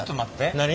何？